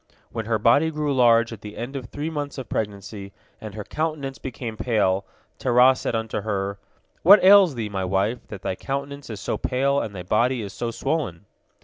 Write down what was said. When her body grew large at the end of three months of pregnancy, and her countenance became pale, Terah said unto her, "What ails thee, my wife, that thy countenance is so pale and thy body so swollen?"